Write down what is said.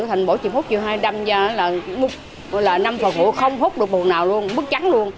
thành bỏ một triệu hốt hai năm ra là năm phần hụi không hốt được một phần nào luôn mất trắng luôn